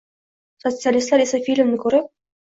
Sotsialistlar esa filmni ko‘rib